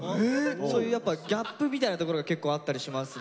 そういうやっぱギャップみたいなところが結構あったりしますね。